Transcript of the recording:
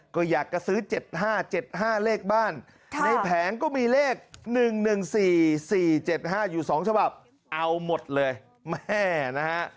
ก็อยากจะซื้อ๗๕๗๕เลขบ้านในแผงก็มีเลข๑๑๔๔๗๕อยู่๒ฉบับเอาหมดเลยแม่นะฮะ